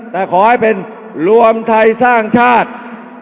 แต่ขอให้เป็นรวมไทยสร้างชาติ